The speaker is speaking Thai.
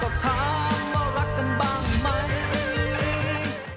ดูจากเปล่าก็ถามว่ารักกันบ้างมั้ย